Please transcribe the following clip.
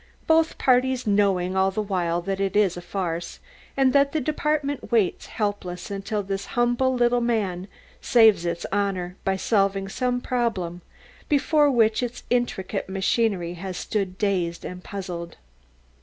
both parties knowing all the while that it is a farce, and that the department waits helpless until this humble little man saves its honour by solving some problem before which its intricate machinery has stood dazed and puzzled.